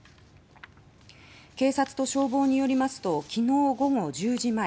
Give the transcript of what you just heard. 警察と消防によりますと昨日午後１０時前